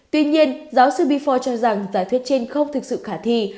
tuy nhiên giáo sư bifor cho rằng giả thuyết trên không thực sự khả thi